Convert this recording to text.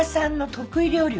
得意料理？